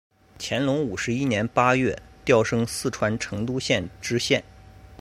乾隆五十一年八月调升四川成都县知县。